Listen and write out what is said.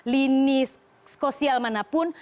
lini sosial manapun